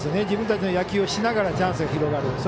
自分たちの野球をしながらチャンスが広がる。